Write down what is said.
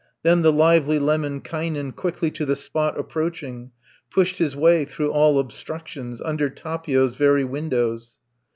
Then the lively Lemminkainen Quickly to the spot approaching, Pushed his way through all obstructions, Under Tapio's very windows.